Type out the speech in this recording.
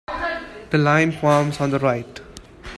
The line forms on the right.